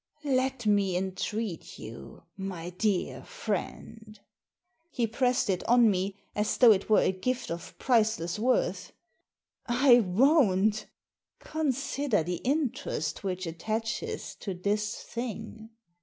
" Let me entreat you, my dear friend." He pressed it on me, as though it were a gift of priceless worth. "I won't" "Consider the interest which attaches to this thing.